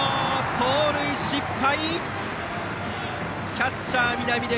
盗塁失敗！